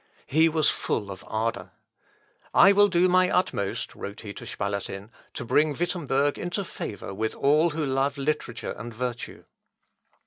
He was full of ardour. "I will do my utmost," wrote he to Spalatin, "to bring Wittemberg into favour with all who love literature and virtue."